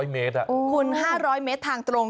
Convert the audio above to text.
๕๐๐เมตรทางตรง